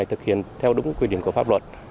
thực hiện theo đúng quy định của pháp luật